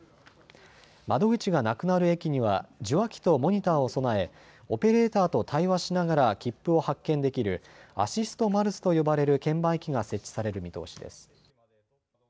窓口がなくなる駅には受話器とモニターを備えオペレーターと対話しながら切符を発券できるアシストマルスと呼ばれる券売機が設置される見通しです。